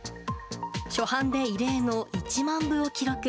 初版で異例の１万部を記録。